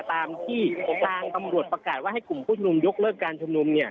ตามที่ทางตำรวจประกาศว่าให้กลุ่มผู้ชมนุมยกเลิกการชุมนุมเนี่ย